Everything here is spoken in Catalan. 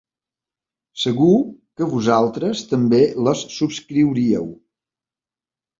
Segur que vosaltres també les subscriuríeu.